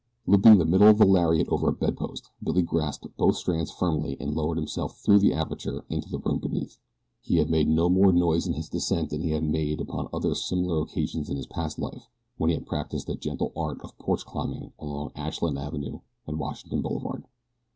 Looping the middle of the lariat over a bedpost Billy grasped both strands firmly and lowered himself through the aperture into the room beneath. He made no more noise in his descent than he had made upon other similar occasions in his past life when he had practiced the gentle art of porch climbing along Ashland Avenue and Washington Boulevard.